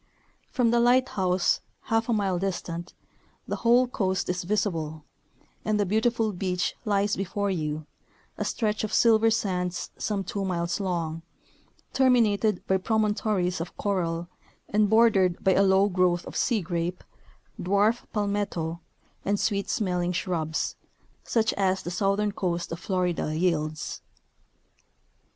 From the light house, half a mile distant, the whole coast is visible, and the beautiful beach lies before 3^ou, a stretch of silver sands some two miles long, terminated by promontories of coral, and bordered by a low growth of sea grape, dwarf palmetto, and sweet smelling shrubs, such as the southern coast of Florida yields.